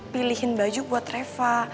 pilihin baju buat reva